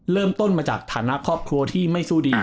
เริ่มต้นมาจากฐานะครอบครัวที่ไม่สู้ดี